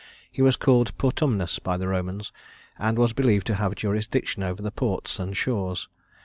He was called Portumnus by the Romans, and was believed to have jurisdiction over the ports and shores.